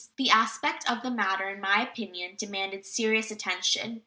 This aspect of the matter, in my opinion, demanded serious attention.